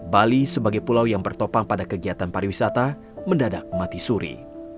bali sebagai pulau yang bertopang pada kegiatan pariwisata mendadak mati suri